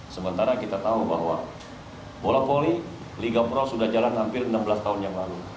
sementara kita tahu bahwa bola volley liga pro sudah jalan hampir enam belas tahun yang lalu